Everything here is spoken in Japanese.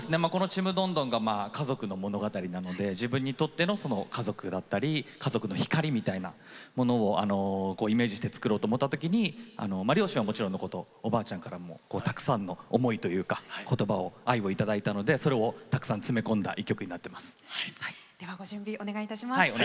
「ちむどんどん」が家族の物語なので自分にとっての家族だったり家族の光みたいなものをイメージして作ろうと思ったときに両親はもちろんのことおばあちゃんからもたくさんの愛言葉をいただいたのでそれを、たくさん詰め込んだ一曲になってます。